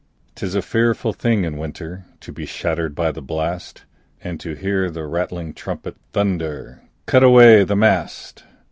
'Tis a fearful thing in winter To be shattered by the blast, And to hear the rattling trumpet Thunder, "Cut away the mast!"